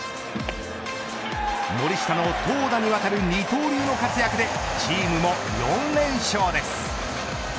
森下の投打にわたる二刀流の活躍でチームも４連勝です。